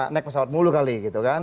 naik pesawat mulu kali gitu kan